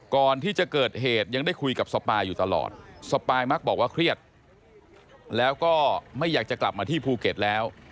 ก่อนที่จะเกิดเหตุยังได้คุยกับสปายอยู่ตลอดสปายมักบอกว่าเครียดแล้วก็ไม่อยากจะกลับมาที่ภูเก็ตแล้ว